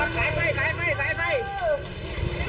ใส่ไฟใส่ไฟใส่ไฟ